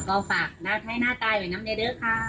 ก็ฝากหน้าไทยหน้าไตร่เหมือนน้ำเนด้อค่ะ